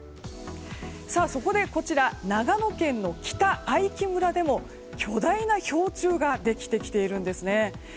そこで、こちら長野県の北相木村でも巨大な氷柱ができてきているんですね。